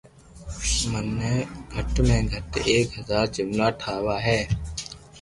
مني گھٽ ۾ گھت ايڪ ھزار جملا ٺاوا ھي